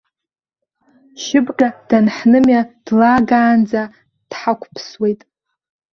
Шьыбга данҳнымиа, длаагаанӡа дҳақәԥсуеит!